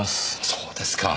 そうですか。